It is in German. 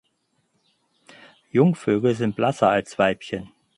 Jungvögel sind blasser als Weibchen.